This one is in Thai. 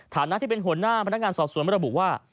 ฐานะที่เป็นหัวหน้าพนักงานสอบสวนระบุว่า